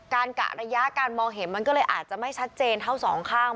กะระยะการมองเห็นมันก็เลยอาจจะไม่ชัดเจนเท่าสองข้าง